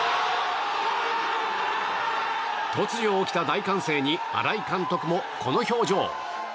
突如起きた大歓声に新井監督もこの表情。